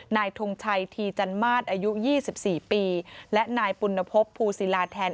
นายทุงชัยทีจันมาสอายุ๒๔ปีและนายปุณพพภูศิลาธรรมแทน